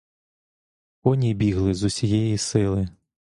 Коні бігли з усієї сили.